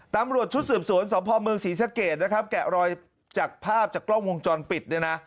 ตำรวจชุดสืบสวนสพเมืองศรีสะเกดนะครับแกะรอยจากภาพจากกล้องวงจรปิดเนี่ยนะ